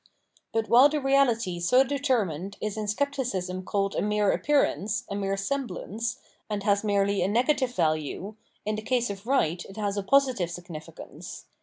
But while the reality so deter mined is in Scepticism called a mere appearance, a mere semblance, and has merely a negative value, in the case of right it has a positive significance.